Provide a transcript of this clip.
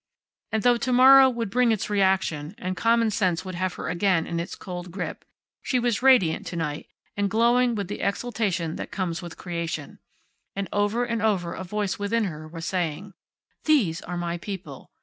And though to morrow would bring its reaction, and common sense would have her again in its cold grip, she was radiant to night and glowing with the exaltation that comes with creation. And over and over a voice within her was saying: These are my people!